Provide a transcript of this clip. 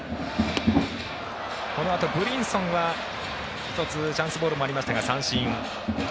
このあとブリンソンは１つチャンスボールもありましたが、三振。